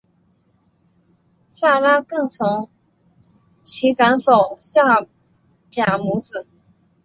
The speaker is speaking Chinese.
撒拉更怂其赶走夏甲母子。